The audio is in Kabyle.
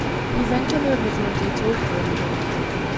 Iban kan baba-twent yettwakba mliḥ.